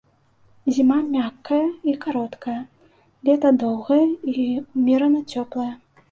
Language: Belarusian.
Зіма мяккая і кароткая, лета доўгае і ўмерана цёплае.